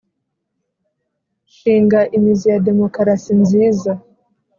Shinga imizi ya Demokarasi nziza